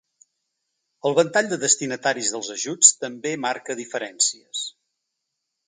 El ventall de destinataris dels ajuts també marca diferències.